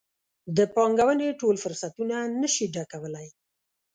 د پانګونې ټول فرصتونه نه شي ډکولی.